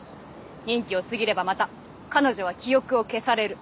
任期を過ぎればまた彼女は記憶を消される。